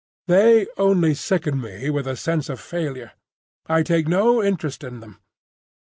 They only sicken me with a sense of failure. I take no interest in them.